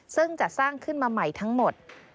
ซึ่งจะสร้างขึ้นมาใหม่ทั้งหมด